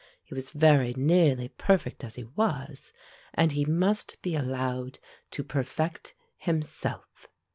He was very nearly perfect as he was, and he must be allowed to perfect himself.